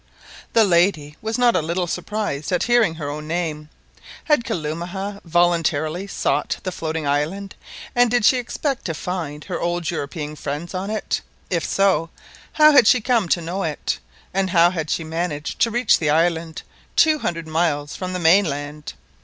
The lady was not a little surprised at hearing her own name. Had Kalumah voluntarily sought the floating island, and did she expect to find her old European friends on it? If so, how had she come to know it, and how had she managed to reach the island, two hundred miles from the mainland?